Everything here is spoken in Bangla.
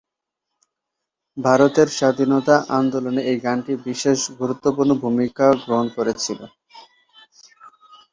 ভারতের স্বাধীনতা আন্দোলনে এই গানটি বিশেষ গুরুত্বপূর্ণ ভূমিকা গ্রহণ করেছিল।